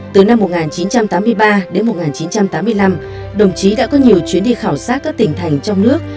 từ năm một nghìn chín trăm tám mươi ba đến một nghìn chín trăm tám mươi năm đồng chí đã có nhiều chuyến đi khảo sát các tỉnh thành trong nước